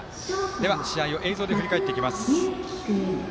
では、試合を映像で振り返っていきます。